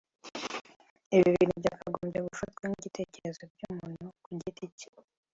ibintu byakagombye gufatwa nk’ibitekerezo by’umuntu ku giti cye